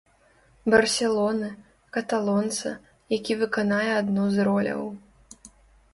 Барселоны, каталонца, які выканае адну з роляў.